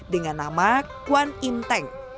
dengan nama kwan im teng